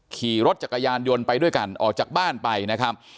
ขี่รถจักรยานยนต์ไปด้วยกันออกจากบ้านไปนะครับ